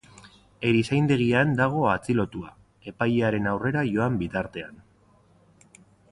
Erizaindegian dago atxilotua, epailearen aurrera joan bitartean.